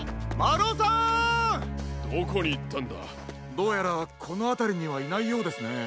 どうやらこのあたりにはいないようですね。